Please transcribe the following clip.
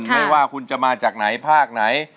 ไม่ว่าคุณจะมาจากไหนภาคไหน